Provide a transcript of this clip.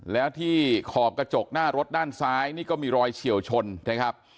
แล้วที่ขอบกระจกหน้ารถด้านซ้ายนี่ก็มีรอยเฉียวชนนะครับ